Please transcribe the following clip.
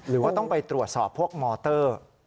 หรือว่าต้องไปตรวจสอบพวกมอเตอร์